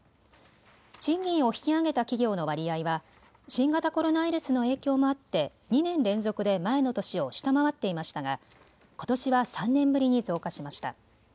賃金を引き上げた企業の割合は新型コロナウイルスの影響もあって２年連続で前の年を下回っていましたがことしは３年ぶりに増加しました。